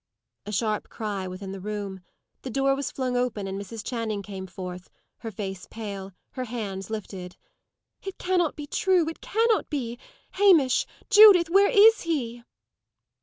A sharp cry within the room. The door was flung open, and Mrs. Channing came forth, her face pale, her hands lifted. "It cannot be true! It cannot be! Hamish! Judith! Where is he?"